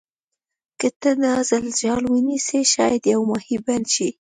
که ته دا ځل جال ونیسې شاید یو ماهي بند شي.